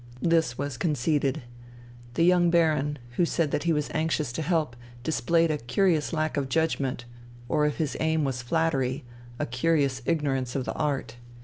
This was conceded. The young Baron, who said that he was anxious to help, displayed a curious lack of judgment, or if his aim was flattery, a curious ignorance of the art.